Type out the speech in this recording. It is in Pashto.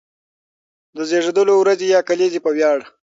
د زېږېدلو ورځې يا کليزې په وياړ،